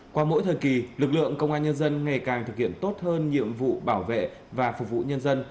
qua mỗi thời kỳ lực lượng công an nhân dân ngày càng thực hiện tốt hơn nhiệm vụ bảo vệ và phục vụ nhân dân